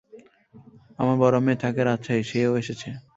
আমার বড় মেয়ে থাকে রাজশাহী, সেও এসেছে।